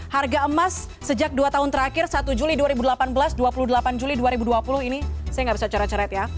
harga emas sejak dua tahun terakhir satu juli dua ribu delapan belas dua puluh delapan juli dua ribu dua puluh ini saya nggak bisa coret coret ya